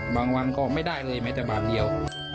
บางวันก็ไม่ได้เลยไหมแต่า๊วบางเดียว